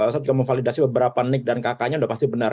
saat juga memvalidasi beberapa nic dan kk nya sudah pasti benar